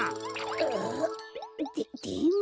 あっででも。